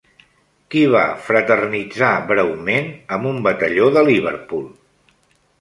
Qui va fraternitzar breument amb un batalló de Liverpool?